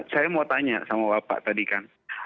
saya mau tanya sama bapak tadi kan